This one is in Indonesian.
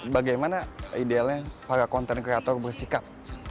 bagaimana idealnya para content creator bersikap